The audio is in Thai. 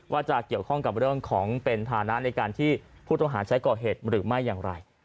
ว่าจะเกี่ยวข้องกับเรื่องของเป็นฐานะในการที่ผู้ต้องหาใช้ก่อเหตุหรือไม่อย่างไร